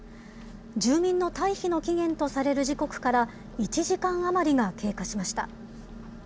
住民の退避の期限とされる時刻から１時間余りが経過しました。